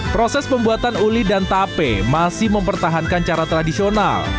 proses pembuatan uli dan tape masih mempertahankan cara tradisional